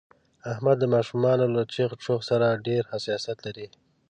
احمد د ماشومانو له چغ چوغ سره ډېر حساسیت لري.